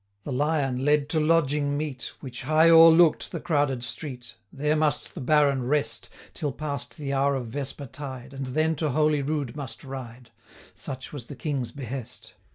The Lion led to lodging meet, Which high o'erlook'd the crowded street; There must the Baron rest, 160 Till past the hour of vesper tide, And then to Holy Rood must ride, Such was the King's behest.